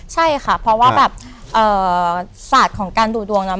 ใช่ค่ะเพราะว่าแบบศาสตร์ของการดูดวงเนาะ